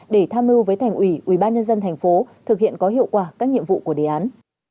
để tham mưu với thành ủy ubnd tp thực hiện có hiệu quả các nhiệm vụ của đề án